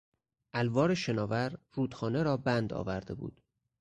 الوار شناور، رودخانه را بند آورده بود.